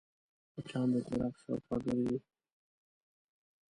مچان د څراغ شاوخوا ګرځي